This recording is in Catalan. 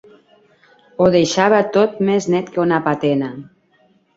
Ho deixava tot més net que una patena.